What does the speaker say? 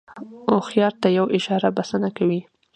هوښیار ته یوه اشاره بسنه کوي.